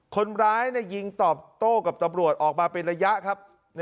คนร้ายยิงตอบโต้กับตำรวจออกมาเป็นระยะครับ